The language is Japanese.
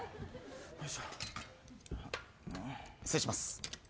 失礼します。